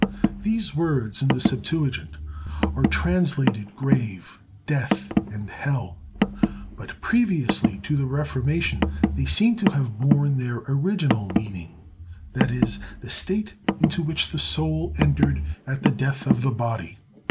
These words in the Septuagint are translated grave, death, and hell; but previously to the Reformation they seem to have borne their original meaning—that is, the state into which the soul entered at the death of the body.